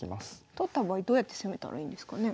取った場合どうやって攻めたらいいんですかね。